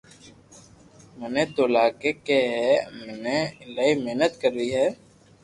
ميني تو لگي ھي ڪي مني ايلائي محنت ڪروي ھي